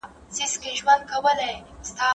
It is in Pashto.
ولي کوښښ کوونکی د لوستي کس په پرتله خنډونه ماتوي؟